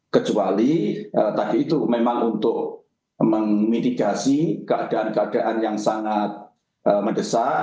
kecuali tadi itu memang untuk memitigasi keadaan keadaan yang sangat mendesak